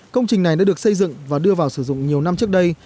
công trình này đã được xây dựng và đưa vào sử dụng nhiều năm trước đây